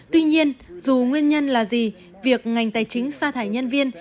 tuy nhiên dù nguyên nhân là gì việc ngành tài chính xa thải nhân viên